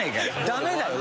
ダメだよ。